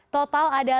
total ada lima